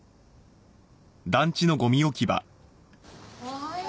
おはよう。